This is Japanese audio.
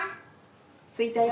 「着いたよ」